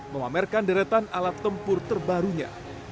memamerkan deretan alat tempur terbarunya